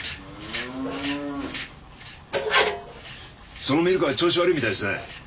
そのミルカー調子悪いみたいですね。